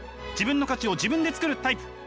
自分の価値を自分で作るタイプ。